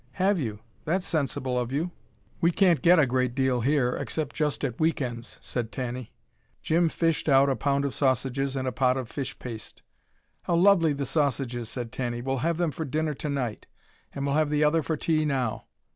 "Have you! That's sensible of you. We can't get a great deal here, except just at week ends," said Tanny. Jim fished out a pound of sausages and a pot of fish paste. "How lovely the sausages," said Tanny. "We'll have them for dinner tonight and we'll have the other for tea now.